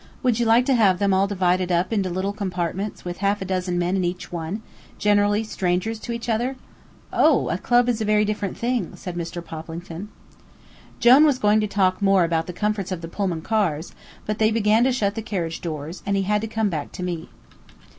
Would you like to have them all divided up into little compartments with half a dozen men in each one, generally strangers to each other?" "Oh, a club is a very different thing," said Mr. Poplington. Jone was going to talk more about the comfort of the Pullman cars, but they began to shut the carriage doors, and he had to come back to me.